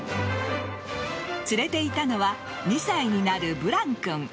連れていたのは２歳になるブラン君。